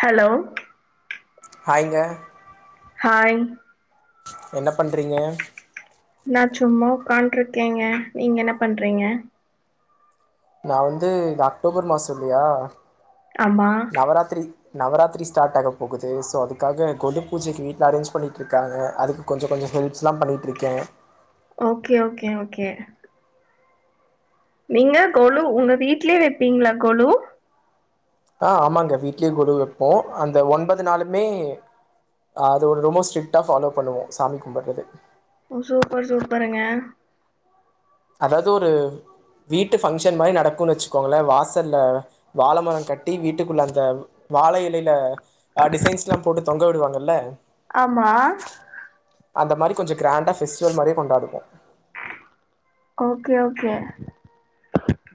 Hello ஹாய்ங்க hi என்ன பண்றீங்க? நா சும்மா உக்கான்ட்ருக்கேங்க நீங்க என்ன பண்றீங்க? நா வந்து இது அக்டோபர் மாசொ இல்லியா ஆமா நவராத்திரி ஸ்டார்ட் ஆக போகுது சோ அதுக்காக கொலு பூஜைக்கு வீட்ல அரேஞ்ச் பண்ணிட்டுருக்காங்க அதுக்கு கொஞ்சொ கொஞ்சொ ஹெல்ப்ஸ்லா பண்ணிகிட்டுருக்கே ஓகே ஓகே ஓகே நீங்க கொளு உங்க வீட்லயே வைப்பீங்களா கொளு ஆ ஆமாங்க வீட்லயே கொலு வெப்போ அந்த ஒன்பது நாளுமே ஆ அது ஒரு ரொம்ப ஸ்ட்ரிக்டா ஃபாலோ பண்ணுவோ சாமி கும்புட்றது ஓ சூப்பர் சூப்பருங்க அதாது ஒரு வீட்டு ஃபங்க்ஷன் மாரி நடக்குன்னு வச்சுக்கோங்களே வாசல்ல வாழ மரோ கட்டி வீட்டுக்குள்ள அந்த வாழை இலையில அ டிசைன்ஸ்லா போட்டு தொங்க விடுவாங்கல்ல ஆமா அந்த மாரி கொஞ்ச கிராண்ட்டா பெஸ்டிவல் மாரியே கொண்டாடுவோ ஓகே ஓகே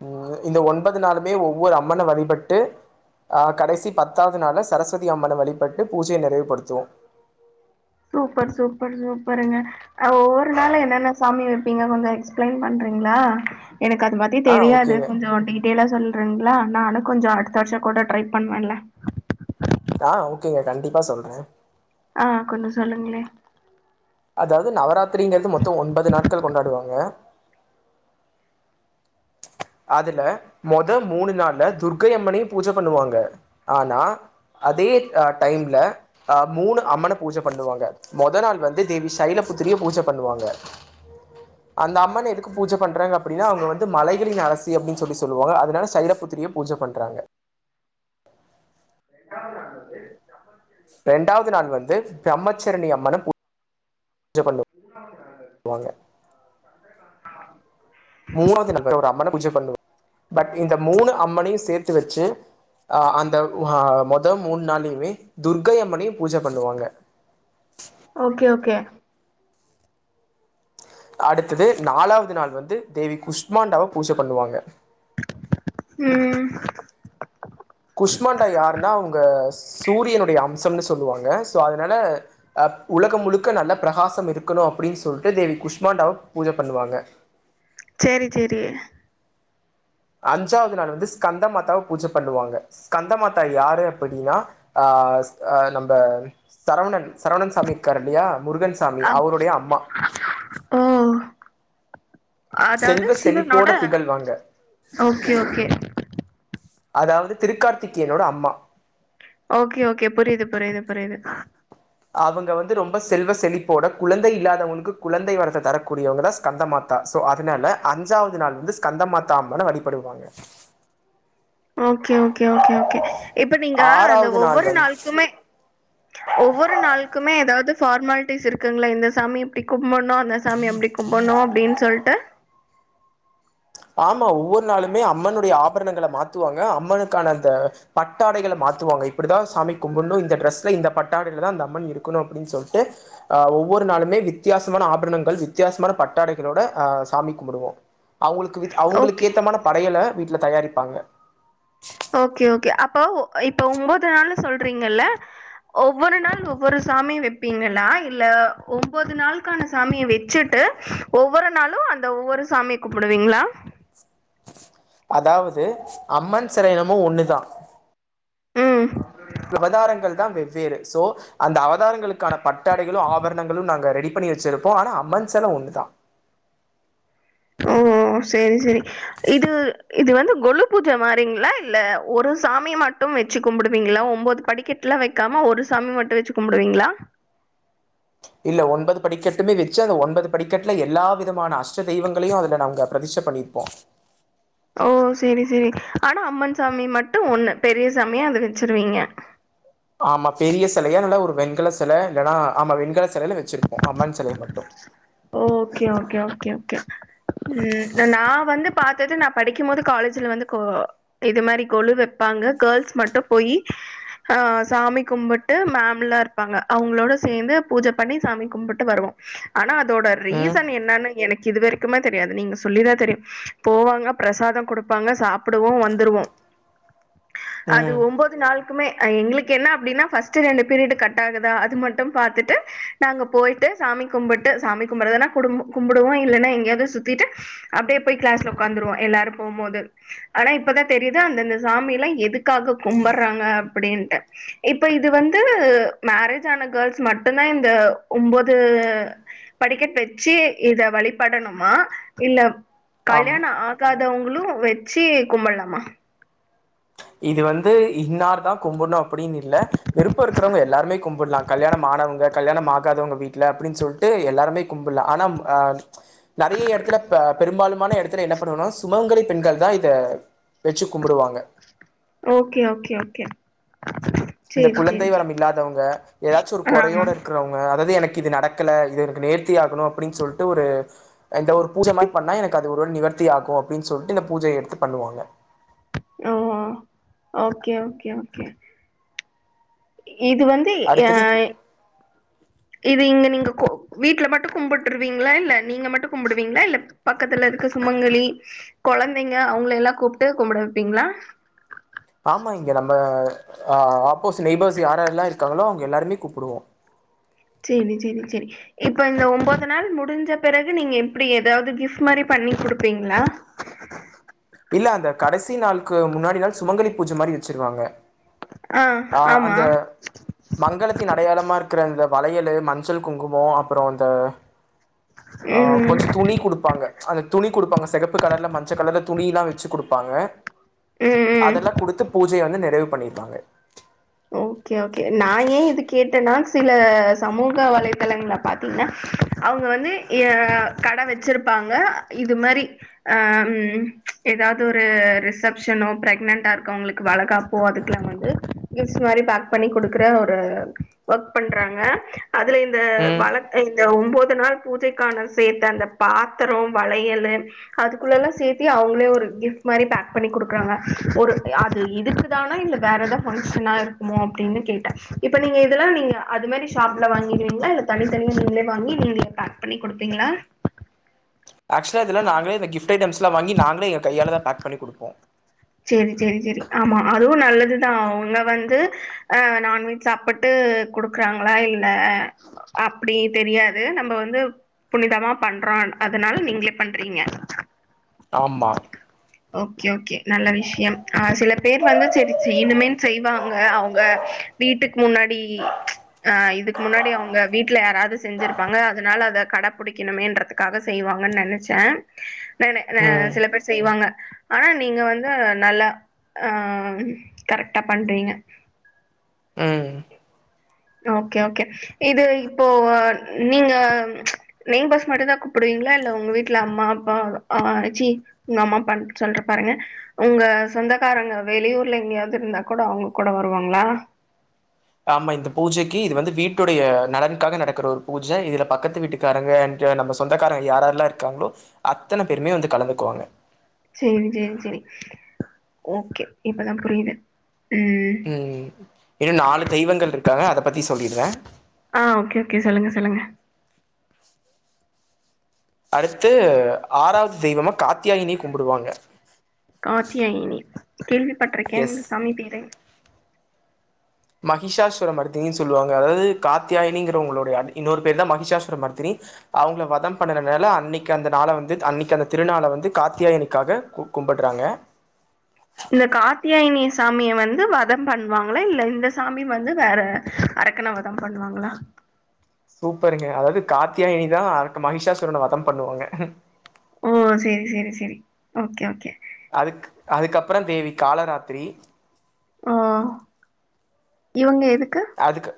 ம் இந்த ஒன்பது நாளுமே ஒவ்வொரு அம்மன வழிபட்டு அ கடைசி பத்தாவது நாளு சரஸ்வதி அம்மன வழிபட்டு பூஜைய நிறைவுபடுத்துவோ சூப்பர் சூப்பர் சூப்பருங்க ஒவ்வொரு நாளு என்னென்ன சாமி வைப்பீங்க கொஞ்ச எக்ஸ்ஃப்ளைன் பண்ற ங்களா எனக்கு அது மாத்தி ஆ தெரியாது ஓகேங்க கொஞ்சோ டீடெயில்லா சொல் ங்களா நானு கொஞ்சோ அடுத்த வருஷோ கூட ட்ரை பண்ணுவேன்ல ஆ ஓகேங்க கண்டிப்பா சொல்றே ஆ கொஞ்ச சொல்லுங்களே அதாவது நவராத்திரிங்கிறது மொத்தோ ஒன்பது நாட்கள் கொண்டாடுவாங்க அதுல மொத மூணு நாள்ல துர்கை அம்மனையு பூஜ பண்ணுவாங்க ஆனா அதே டைம்ல மூணு அ அம்மன பூஜ பண்ணுவாங்க மொத நாள் வந்து தேவி சைலப்பு திரிய பூஜப் பண்ணுவாங்க அந்த அம்மன் எதுக்கு பூஜ பண்றாங்க அப்டின்னா அவுங்க வந்து மலைகளின் அரசி அப்டின்னு சொல்லி சொல்லுவாங்க அதுனால சைரபுத்திரிய பூஜ பண்றாங்க [inaudible] ரெண்டாவது நாள் வந்து பிரம்மச்சரணி அம்மன பூஜ ஜ பண்ணு வாங்க மூணாவது நாள் ஒரு அம்மன பூஜை பண்ணுவோ பட் இந்த மூணு அம்மனையு சேத்து வச்சு அ அந்த அ மொத மூணு நாளயுமே துர்கையம்மனையு பூஜ பண்ணுவாங்க ஓகே ஓகே அடுத்தது நாலாவது நாள் வந்து தேவி குஷ் மாண்டாவா பூஜ பண்ணுவாங்க ம் குஷ்மாண்டா யாருன்னா அவுங்க சூரியனுடைய அம்சம்னு சொல்லுவாங்க சோ அதுனால உலகம் முழுக்க நல்ல பிரகாசம் இருக்கணு அப்டின்னு சொல்ட்டு தேவி குஷ்மாண்டாவ பூஜ பண்ணுவாங்க சேரி சேரி அஞ்சாவது நாள் வந்து ஸ்கந்த மாதாவ பூஜ பண்ணுவாங்க ஸ்கந்த மாதா யாரு அப்டின்னா அ ஆ அஸ் அ நம்ப சரவணன் சரவணன்சாமி இருக்காரு இல்லையா முருகன்சாமி அப் அவருடைய அம்மா ஓ அதாவது செல்வ சிவனோட செழிப்போட திகழ்வாங்க ஓகே ஓகே அதாவது திரு கார்த்திகேயனோட அம்மா ஓகே ஓகே புரியுது புரியுது புரியுது அவுங்க வந்து ரொம்ப செல்வ செழிப்போட குழந்தை இல்லாதவங்களுக்கு குழந்தை வரத்த தரக்கூடியவங்க தா ஸ்கந்தமாதா சோ அதுனால அஞ்சாவது நாள் வந்து ஸ்கந்த மாத்தா அம்மன வழிபடுவாங்க [inaudible] ஓகே ஓகே ஓகே ஓகே இப்ப நீங்க அந்த ஆறாவது நாள் ஒவ்வொரு வந்து நாள்க்குமே ஒவ்வொரு நாள்க்குமே எதாவது ஃபார்மாலிட்டிஸ் இருக்குங்களா இந்த சாமி இப்டி கும் புட்ணு அந்த சாமி அப்டி கும்புட்ணு அப்டின் சொல்ட்டு ஆமா ஒவ்வொரு நாளுமே அம்மனுடைய ஆபரணங்கள மாத்துவாங்க அம்மனுக்கான அந்த பட்டாடைகள மாத் த்துவாங்க இப்டிதா சாமி கும்புட்ணு இந்த ட்ரஸ்ல இந்த பட்டாடைலதா அந்த அம்மன் இருக்கணு அப்டின்னு சொல்ட்டு அ ஒவ் வொரு நாளுமே வித்தியாசமான ஆபரணங்கள் வித்தியாசமான பட்டாடைகளோட அ சாமி கும்புடுவோ அவங்களு க்கு அவங்களுக்கு ஓகே ஏத்தமான படையல வீட்ல தயாரிப்பாங்க ஓகே ஓகே அப்போ இப்ப ஒன்போது நாளு சொல்றீங்கல்ல ஒவ்வொரு நாள் ஒவ்வொரு சாமி வெப்பீங்களா இல்ல ஒன்பது நாள்க்கான சாமிய வெச்சுட் டு ஒவ்வொரு நாளு அந்த ஒவ்வொரு சாமி கும்புடுவீங்களா அதாவது அம்மன் செல என்னமோ ஒண்ணுதா ம் அவதாரங்கள்தா வெவ்வேறு சோ அந்த அவதாரங்களுக்கான பட்டாடைகளு ஆபரணங்களு நாங்க ரெடி பண்ணி வச்சிருப்போ ஆனா அம்மன் செல ஒண்ணு தா ஓ சேரி செரி இது இது வந்து கொழு பூஜ மாரிங்களா இல்ல ஒரு சாமிய மட்டு வெச்சு கும்பிடுவீங்களா ஒம்போது படிக்கட்லா வைக்காம ஒரு சாமி மட்டு வெச்சு கும்புடுவீங்களா [inaudible] இல்ல ஒன்பது படிக்கட்டுமே வெச்சு அந்த ஒன்பது படிக்கட்ல எல்லா விதமான அஷ்ட தெய்வங்களையு அதுல நாங்க பிரதிட்ஷ பண்ணி இருப்போ ஓ செரி செரி ஆனா அம்மன் சாமி மட்டு ஒண்ணு பெரிய சாமியா அத வெச்சிருவீங்க ஆமா பெரிய செலையா நல்லா ஒரு வெண்கல செல இல்லன்னா ஆமா வெண்கல செலையில வெச்சிருப்போ அம்மன் செலைய மட்டு ஓகே ஓகே ஓகே ஓகே ம் நா நா வந்து பாத்தது நா படிக்கும் போது காலேஜ்ல வந்து கொ இது மாரி கொழு வெப்பா ங்க கேள்ஸ் மட்டு போயி அ சாமி கும்புட்டு மேம்ல்லா இருப்பாங்க அவங்களோட சே ந்து பூஜ பண்ணி சாமி கும்புட்டு வருவோ ஆனா அதோட ம் ரீசன் என்னனு எனக் கு இதுவரைக்குமே தெரியாது நீங்க சொல்லிதா தெரியு போவாங்க பிரசாத குடுப்பாங்க சாப்புடுவோ வந்துருவோ அது ம் ஒம்போது நாள் குமே எங்களுக்கு என்ன அப்டின்னா ஃபஸ்டு ரெண்டு பீரியடு கட் ஆகுதா அது மட்டு பாத்துட்டு நாங்க போய்ட்டு சாமி கும்புட் டு சாமி கும்பறதனா குடும் கும்புடுவோ இல்லனா எங்கயாவது சுத்திட்டு அப்டியே போய் கிளாஸ்ல உக்காந்துருவோ எல்லாரு போ ம்போது ஆனா இப்பதா தெரியுது அந்தந்த சாமி எல்லா எதுக்காக கும்படுறாங்க அப்டின்ட்டு இப்ப இது வந்து மேரேஜ் ஆன கேள்ஸ் மட்டுந்தா இந்த ஒம்போது படிக்கட் வெச்சு இத வழிபடணுமா இல்ல ஆம் கல்யாணோ ஆகாதவங் களு வெச்சு கும்பட்லாமா இது வந்து இன்னார் தா கும்பட்ணு அப்டினு இல்ல விருப்போ இருக்றவங்க எல்லாருமே கும்புட்லா கல்யாணம் ஆ ணவங்க கல்யாணம் ஆகாதவங்க வீட்ல அப்டின் சொல்ட்டு எல்லாருமே கும்புட்லா ஆனாம் அ நறைய எடத்துல ப பெரும்பாலுமான எடத் துல என்ன பண்ணுவாங்கனா சுமங்கலி பெண்கள் தா இத வெச்சு கும்புடுவாங்க ஓகே ஓகே ஓகே இந்த சேரி குழந்தை சேரி வரம் சேரி இல்லாதவங்க ஏதாச்சு ஒரு ஆ கொறையோட இருக்குறவங்க அதாவது எனக்கு கு இது நடக்கல இது எனக்கு நேர்த்தி ஆகணு அப்டின்னு சொல்ட்டு ஒரு அத ஒரு பூஜ மாரி பண்ணா எனக்கு அது ஒரு நிவர் தி ஆகு அப்டின்னு சொல்ட்டு இந்த பூஜயே எடுத்து பண்ணுவாங்க ஓ ஓகே ஓகே ஓகே இது வந்து ஏ அடுத்தது இது இங்க நீங்க கொ வீட்ல மட்டு கும்புட்ருவீங்களா என்ன நீங்க மட்டு கும்புடுவீங்களா இல்ல பக்கத்துல இருக்கு சுமங்கலி கொழந்தைங்க அவங்கள எல்லா கூப்ட்டு கும்புட வைப்பீங்களா ஆமா இங்க நம்ம ஆ ஆப்ஃபோஸ் நெய்பர்ஸ் யார் யார்ல்லா இருக்காங்களோ அவங்க எல்லாருமே கூப்புடுவோ செரி செரி செரி இப்ப இந்த ஒன்பது நாள் முடிஞ்ச பிறகு நீங்க எப்டி ஏதாவது கிஃப்ட் மாரி பண் ணி குடுப்பீங்களா இல்ல அந்த கடைசி நாளுக்கு முன்னாடி நாள் சுமங்கலி பூஜ மாரி வெச்சிருவாங்க ஆ அ ஆமா அந்த மங்களத்தின் அடையாளமா இருக்குற அந்த வளையலு மஞ்சள் குங்குமோ அப்புறோ அந்த ஆ ம் கொஞ்ச துணி குடுப்பாங்க அந்த துணி குடுப்பாங்க செகப்பு கலர்ல மஞ்ச கலர்ல துணியெல்லா வெச்சு குடுப்பாங்க ம் ம் அதெல்லா குடுத்து பூஜைய வந்து நெறைவு பண்ணிப்பாங்க ஓகே ஓகே நான் ஏன் இது கேட்டேன்னா சில சமூக வலைதளங்கள பாத்தீங்கன்னா அவுங்க வந்து எ கட வெச்சிருப்பா ங்க இது மாரி அ ம் ஏதாவது ஒரு ரிசப்ஷனோ பிரெக்னன்டா இருக்கவுங்குளுக்கு வளகாப்போ அதுக்குலா வந்து கிஃப்ட்ஸ் மாரி பேக் பண்ணி குடுக்குற ஒரு ஒர்க் பண்றாங்க அதுல இந்த ம் வழக்கோ இந் த ஒம்போது நாள் பூஜைக்கான சேத்த அந்த பாத்ரோ வளையலு அதுக்குள்ளலா சேத்தி அவங்களே ஒரு கிஃப்ட் மாரி பேக் பண்ணி குடுக்குறாங்க ஒரு அது இதுக்கு தானா இல்ல வேற ஏதாவது பங்ஷ னா இருக்குமோ அப்டீனு கேட்ட இப்ப நீங்க இதெலா நீங்க அது மாதிரி ஷாப்ல வாங்கிருவீங்களா இல்ல தனித்தனியா நீங்ளே வாங்கி நீங்ளே பேக் பண்ணி குடுப்பீங்களா நாங்ளே வாங்கி நாங்களே எங்க கையால தா பேக் பண்ணி குடுப்போ செரி செரி செரி ஆமா அதுவு நல்லதுதா அவுங்க வந்து அ நான்வெஜ் சாப்பிட்டு குடுக்குறாங்களா இல்ல அப்டி தெரியாது நம்ம வந்து புனிதமா பண்றோ அதனால நீங்களே பண்றீங்க ஆமா ஓகே ஓகே நல்ல விஷயம் ஆ சில பேர் வந்து செரி செய்யுனுமேன் செய்வாங்க அவுங்க வீட்டுக்கு முன்னாடி ஆ இதுக்கு முன்னாடி அவுங்க வீட்ல யாராவது செஞ்சிருப்பாங்க அதனால அத கட பிடிக்கணுமேன்றதுக்காக செய் வாங்கன்னு நெனைச்சே ந ம் சில பேர் செய்வாங்க ஆனா நீங்க வந்து நல்லா ஆ கரெக்டா பண்றீங்க [inaudible] ம் ஓகே ஓகே இது இப்போ நீங்க நெய்பர்ஸ் மட்டுந்தா கூப்பிடுவீ களா இல்ல உங்க வீட்ல அம்மா அப்பா அ சீ உங்க அம்மா அப்பான் சொல்ற பாருங்க உங்க சொந்தக்காரங்க வெளியூர்ல எங்கேயாவது இருந்தா கூட அவுங்க கூட வருவாங்களா ஆமா இந்த பூஜைக்கு இது வந்து வீட்டோடைய நலனுக்காக நடக்குற ஒரு பூஜ இதுல பக்கத்து வீட்டுக்காரங்க இங்க நம்ம சொந்தக்காரங்க யாரார்லா இருக்காங்களோ அத்தன பேருமே வந்து கலந்துக்குவாங்க செரி செரி செரி ஓகே இப்பதா புரியுது ம் இன்னோ நாலு தெய்வங்கள் இருக்காங்க அத பத்தி சொல்லிடுற ஆ ஓகே ஓகே சொல்லுங்க சொல்லுங்க அடுத்து ஆறாவது தெய்வமா காத்தியாயினி கும்புடுவாங்க காத்தியாயனி கேள்விப்பட்டிருக்கே எஸ். இந்த சாமி பேரு மகிஷாசூரமர்த்தினினு சொல்லுவாங்க அதாவது காத்தியாயினிங்கரவங்களுடைய இன்னோரு பேருதா மகிஷாசூரமர்த்தினி அவுங்கள வதம் பண்ணறதுனால அன்னிக்கு அந்த நாள வந்து அன்னிக்கு அந்த திருநாள வந்து காத்தியாயனிக்காக கும்புட்றாங்க இந்த காத்தியாயினி சாமிய வந்து வதம் பண்ணுவாங்களா இல்ல இந்த சாமி வந்து வேற அரக்கன வதம் பண்ணுவாங்களா சூப்பருங்க அதாவது காத்தியயாயினிதா அரக் மகிஷாசுரன வதம் பண்ணுவாங்க ஓ சேரி சேரி சேரி ஓகே ஓகே அதுக் அதுக்கப்புறோ தேவி காலராத்திரி ஹ இவுங்க எதுக் அதுக்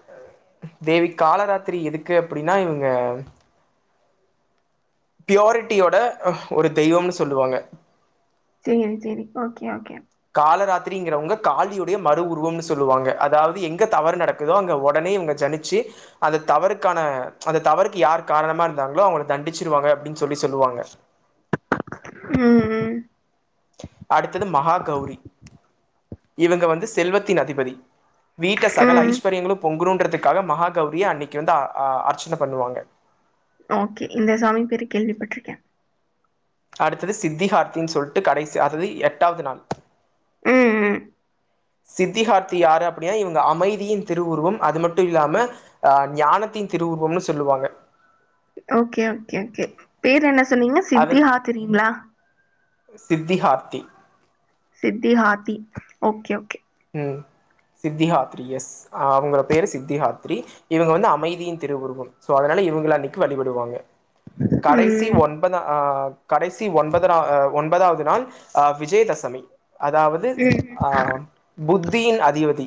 தேவி காலராத்திரி எதுக்கு அப்டீன்னா இவுங்க ப்யோரிட்டியோட ஒரு தெய்வம்னு சொல்லுவாங்க சேரி சேரி ஓகே ஓகே காலராத்திரிங்கிறவுங்க காலியுடைய மறு உருவம்னு சொல்லுவாங்க அதாவது எங்க தவறு நடக்குதோ அங்க ஒட னே இவங்க ஜனிச்சு அந்த தவறுக்கான அந்த தவறுக்கு யாரு காரணமா இருந்தாங்களோ அவுங்க தண்டிச்சிருவாங்க அப் டீனு சொல்லி சொல்லுவாங்க ம் ம் அடுத்தது மகா கௌரி இவங்க வந்து செல்வத்தின் அதிபதி வீட்ல சகல ம். ஐஸ்வர்யங்களோ பொங்குனோன் றுத்துக்காக மகா கௌரிய அன்னிக்கு வந்து அ அ அர்ச்சன பண்ணுவாங்க ஓகே இந்த சாமி பேரு கேள்விப்பட்ருக்க அடுத்தது சித்திஹார்த்தினு சொல்லிட்டு கடைசி அதாவது எட்டாவது நாள் ம், ம். சித்தி ஹார்த்தி யாரு அப்டியா இவுங்க அமை யின் திருவுருவம் அது மட்டு இல்லாம அ ஞானத்தின் திருவுருவம்னு சொல்லுவாங்க ஓகே ஓகே ஓகே பேரு என்ன சொன்னீங்க சித்தி ஹாத்திரிங்ளா சித்தி ஹார்த்தி சித்தி ஹாத்தி ஓகே ஓகே ம் சித்தி ஹாத்ரி எஸ் அவுங்க பேரு சித்தி ஹாத்ரி இவுங்க வந்து அமைதியின் திருவுருவம் சோ அதனால இவுங்கள அன்னைக்கு வழி படுவாங்க கடைசி ம். ஒன்பதா ஆ கடைசி ஒன்பதரா அ ஒன்பதாவது நான் அ விஜயதசமி அதாவது ம். ஆ புத்தியின் அதிபதி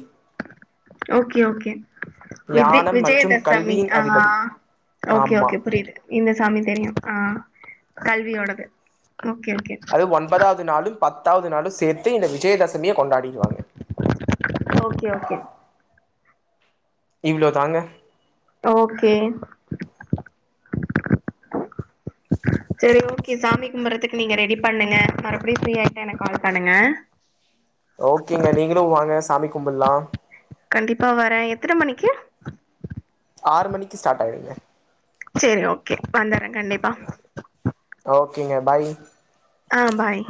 ஓகே ஓகே விஜி ஞானம் மற்றும் விஜயதசமி கல்வியின் ஆ அதிபதி ஓகே ஆமா ஓகே புரியுது இந்த சாமி தெரியு ஆ கல்வியோடது ஓகே, ஓகே. அது ஒன்பதாவது நாளு பத் பத்தாவது நாளு சேத்து இந்த விஜயதசமிய கொண்டாடிடுவாங்க ஓகே, ஓகே. இவ்ளோ தாங்க ஓகே செரி ஓகே சாமி கும்புறதுக்கு நீங்க ரெடி பண்ணுங்க மறுபடியு ஃப்ரீ ஆயிட்டா எனக்கு கால் பண்ணுங்க ஓகேங்க நீங்களு வாங்க சாமி கும்பல்லா கண்டிப்பா வரே எத்தன மணிக்கு ஆறு மணிக்கு ஸ்டாட் ஆயிருங்க செரி ஓகே வந்தறே கண்டிப்பா ஓகேங்க பாய் ஆ பாய்